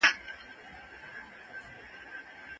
جمود بايد له منځه لاړ سي.